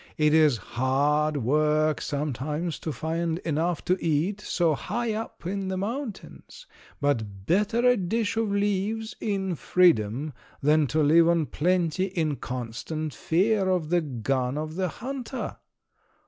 It is hard work sometimes to find enough to eat so high up in the mountains, but better a dish of leaves in freedom than to live on plenty in constant fear of the gun of the hunter."